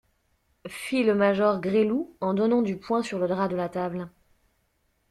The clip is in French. Fit le major Gresloup, en donnant du poing sur le drap de la table.